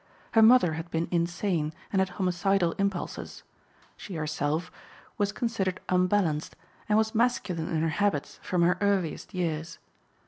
Her mother had been insane and had homicidal impulses. She herself was considered unbalanced, and was masculine in her habits from her earliest years.